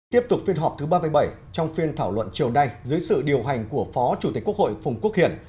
tiếp tục phiên họp thứ ba mươi bảy trong phiên thảo luận chiều nay dưới sự điều hành của phó chủ tịch quốc hội phùng quốc hiển